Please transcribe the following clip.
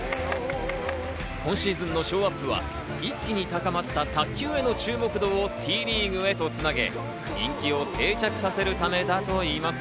今シーズンのショーアップは一気に高まった卓球への注目度をＴリーグへとつなげ、人気を定着させるためだといいます。